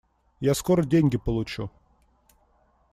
Я скоро деньги получу.